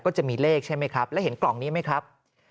จะมีเลขใช่ไหมครับแล้วเห็นกล่องนี้ไหมครับ